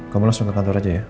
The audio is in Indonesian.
kamu langsung ke kantor aja ya